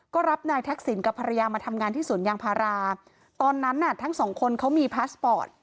ก็รับนายทักษิณกับภรรยามาทำงานที่สวนยางพาราตอนนั้นน่ะทั้งสองคนเขามีพาสปอร์ต